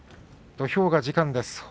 土俵が時間です。